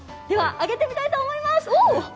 では、あげてみたいと思います。